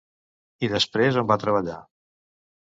I després on va treballar?